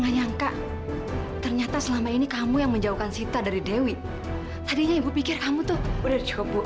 nyangka ternyata selama ini kamu yang menjauhkan sita dari dewi tadinya ibu pikir kamu tuh udah cukup